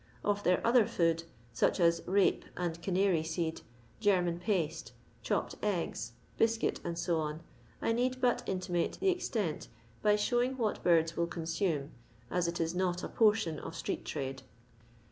Of their other food, anch as rape and canary seed, German paste, chopped eggs, biscuit, &c., I need but intimate the extent by showioff what birds will consume, aa it is not a portion of street trade.